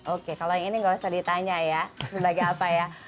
oke kalau yang ini nggak usah ditanya ya sebagai apa ya